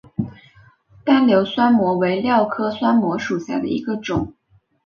单瘤酸模为蓼科酸模属下的一个种。